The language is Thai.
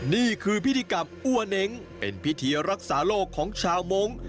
นี่คือพิธีกรรมอ้วเน้งเป็นพิธีรักษาโลกของชาวมงค์